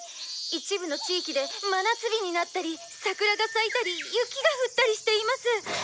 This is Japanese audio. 一部の地域で真夏日になったり桜が咲いたり雪が降ったりしています」